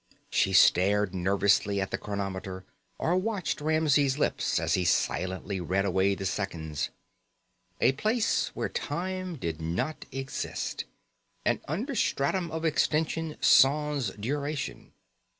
She stared nervously at the chronometer, or watched Ramsey's lips as he silently read away the seconds. A place where time did not exist, an under stratum of extension sans duration.